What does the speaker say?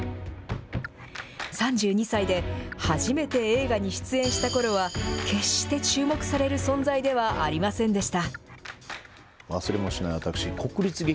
３２歳で初めて映画に出演したころは、決して注目される存在ではありませんでした。